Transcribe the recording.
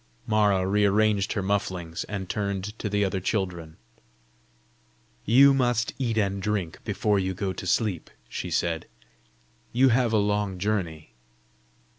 Mara rearranged her mufflings, and turned to the other children. "You must eat and drink before you go to sleep," she said; "you have had a long journey!"